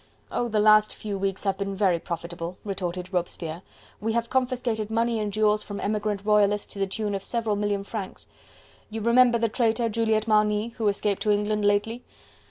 "Oh! the last few weeks have been very profitable," retorted Robespierre; "we have confiscated money and jewels from emigrant royalists to the tune of several million francs. You remember the traitor Juliette Marny, who escape to England lately?